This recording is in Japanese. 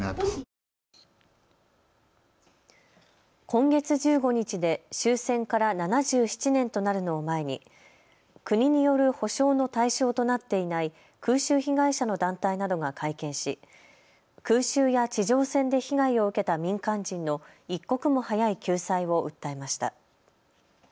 今月１５日で終戦から７７年となるのを前に国による補償の対象となっていない空襲被害者の団体などが会見し空襲や地上戦で被害を受けた民間人の一刻も早い救済を訴えました。